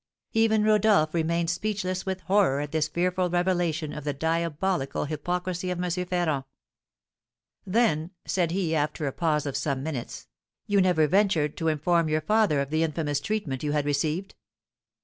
Even Rodolph remained speechless with horror at this fearful revelation of the diabolical hypocrisy of M. Ferrand. "Then," said he, after a pause of some minutes, "you never ventured to inform your father of the infamous treatment you had received?"